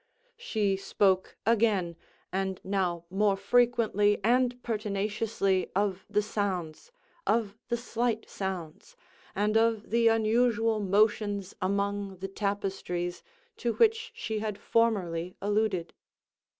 She spoke again, and now more frequently and pertinaciously, of the sounds—of the slight sounds—and of the unusual motions among the tapestries, to which she had formerly alluded.